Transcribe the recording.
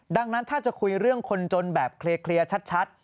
ดังนั้นถ้าจะคุยเรื่องคนจนแบบเคลียร์ชัด